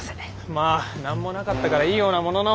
まあ何もなかったからいいようなものの。